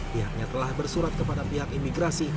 pihaknya telah bersurat kepada pihak imigrasi